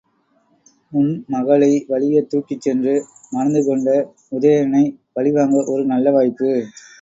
உன் மகளை வலிய தூக்கிச்சென்று மணந்துகொண்ட உதயணனைப் பழிவாங்க ஒரு நல்ல வாய்ப்பு!